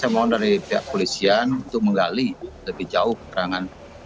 saya mohon dari pihak polisian untuk menggali lebih jauh kerangan